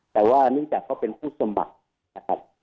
แต่ว่าเนื่องจากเขาเป็นผู้สมัครนะครับ